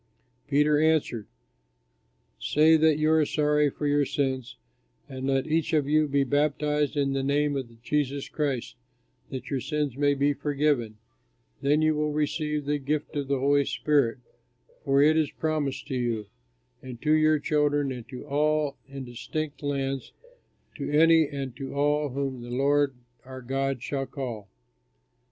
Peter answered, "Say that you are sorry for your sins, and let each of you be baptized in the name of Jesus Christ, that your sins may be forgiven; then you will receive the gift of the Holy Spirit, for it is promised to you, and to your children, and to all in distant lands, to any and to all whom the Lord our God shall call."